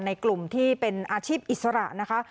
ในกลุ่มที่เป็นอาชีพอิสระนะคะ